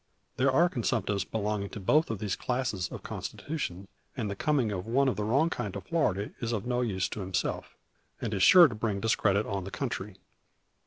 There are consumptives belonging to both these classes of constitution; and the coming of one of the wrong kind to Florida is of no use to himself, and is sure to bring discredit on the country.